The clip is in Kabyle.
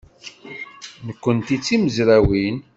Nekkenti d timezrawin.